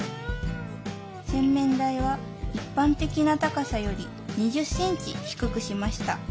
洗面台は一般的な高さより２０センチ低くしました